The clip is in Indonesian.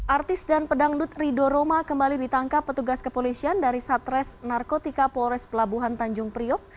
artis dan pedangdut rido roma kembali ditangkap petugas kepolisian dari satres narkotika polres pelabuhan tanjung priok